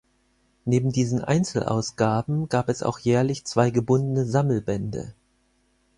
Neben diesen Einzelausgaben gab es auch jährlich zwei gebundene Sammelbände.